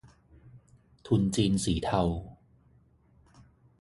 ทุนจีนสีเทา